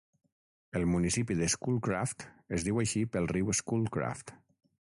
El municipi de Schoolcraft es diu així pel riu Schoolcraft.